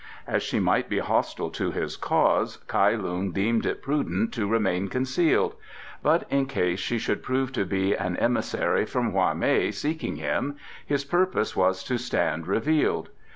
As she might be hostile to his cause, Kai Lung deemed it prudent to remain concealed; but in case she should prove to be an emissary from Hwa mei seeking him, his purpose was to stand revealed.